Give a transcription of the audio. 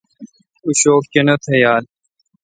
اوں شوک کینتھ یال۔